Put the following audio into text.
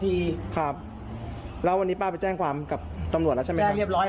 ครับแล้ววันนี้ป้าไปแจ้งความกับตำรวจแล้วใช่ไหมครับเรียบร้อย